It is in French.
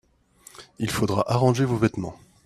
il faudra arranger vos vêtements.